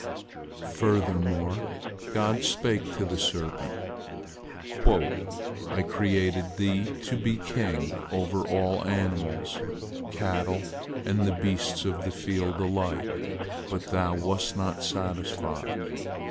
Furthermore, God spake to the serpent: "I created thee to be king over all animals, cattle and the beasts of the field alike; but thou wast not satisfied.